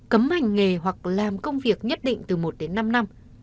cấm hành nghề hoặc làm công việc nhất định từ một đến năm năm